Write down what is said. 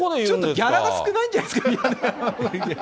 ギャラが少ないんじゃないですか。